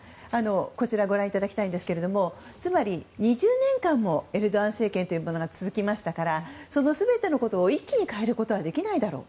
こちらご覧いただきたいんですがつまり、２０年間もエルドアン政権が続きましたからその全てのことを一気に変えることはできないだろう。